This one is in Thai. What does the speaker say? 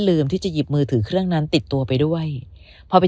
ลืมที่จะหยิบมือถือเครื่องนั้นติดตัวไปด้วยพอไป